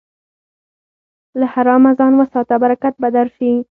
له حرامه ځان وساته، برکت به درشي.